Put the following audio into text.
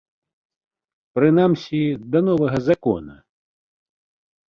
Прынамсі, да новага закона.